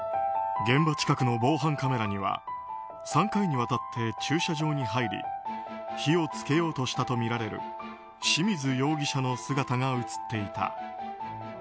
現場近くの防犯カメラには３回にわたって駐車場に入り火を付けようとしたとみられる清水容疑者の姿が映っていた。